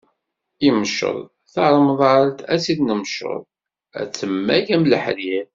Imceḍ, taremdalt, ad tt-id-nemceḍ, ad temmag am leḥrir.